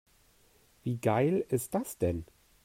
Wie geil ist das denn?